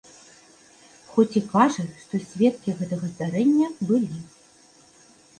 Хоць і кажа, што сведкі гэтага здарэння былі.